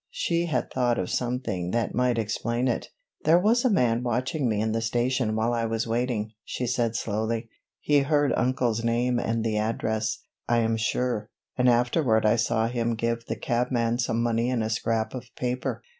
She had thought of something that might explain it. "There was a man watching me in the station while I was waiting," she said slowly. "He heard uncle's name and the address, I am sure, and afterward I saw him give the cabman some money and a scrap of paper.